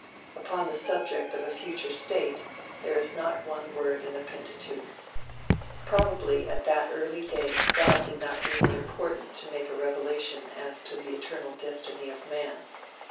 Upon the subject of a future state, there is not one word in the Pentateuch. Probably at that early day God did not deem it important to make a revelation as to the eternal destiny of man.